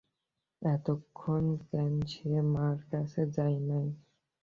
এতক্ষণ কেন সে মার কাছে যায় নাই!